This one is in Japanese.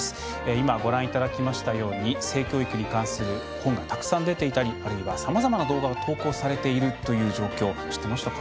今、ご覧いただきましたように性教育に関する本がたくさん出ていたりあるいは、さまざまな動画が投稿されているという状況知っていましたか？